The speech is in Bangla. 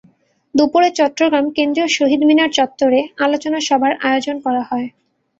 দুপুরে চট্টগ্রাম কেন্দ্রীয় শহীদ মিনার চত্বরে আলোচনা সভার আয়োজন করা হয়।